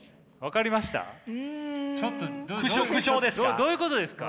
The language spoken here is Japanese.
どういうことですか？